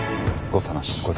誤差なし。